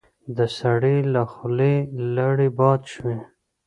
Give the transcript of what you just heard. د سړي له خولې لاړې باد شوې.